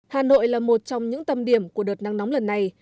hà nội là một trong những tâm điểm của đợt nắng nóng lần này